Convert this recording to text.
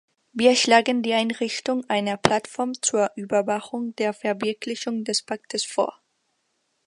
Wir schlagen die Einrichtung einer Plattform zur Überwachung der Verwirklichung des Paktes vor.